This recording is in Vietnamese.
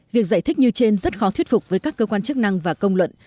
việc giải thích như trên rất khó thuyết phục với các cơ quan chức năng và công luận